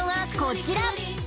こちら！